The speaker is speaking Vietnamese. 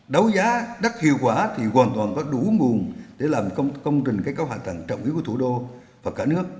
đấu giá đất hiệu quả thì hoàn toàn có đủ nguồn để làm công trình các hạ tầng trọng ý của thủ đô và cả nước